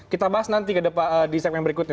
kita bahas nanti di segmen berikutnya